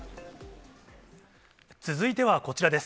続いてはこちらです。